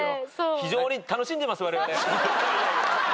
非常に楽しんでますわれわれ。